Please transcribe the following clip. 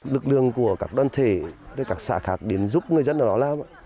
lực lượng của các đoàn thể từ các xã khác đến giúp người dân ở đó làm